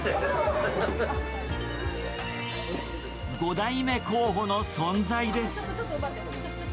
５代目候補の存在です。